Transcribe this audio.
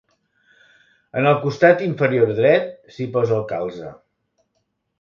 En el costat inferior dret s'hi posa el calze.